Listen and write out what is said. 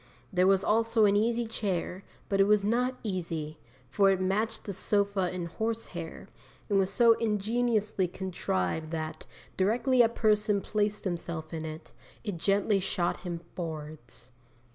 There was also an easy chair, but it was not easy, for it matched the sofa in horse hair, and was so ingeniously contrived that, directly a person placed himself in it, it gently shot him forwards.